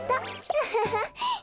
アハハ！